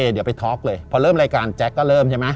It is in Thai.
เดี๋ยวไปท็อกเลยพอเริ่มรายการแจ๊คก็เริ่มใช่ไหม